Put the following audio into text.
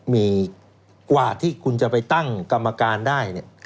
มีกว่าที่คุณจะไปตั้งกรรมการได้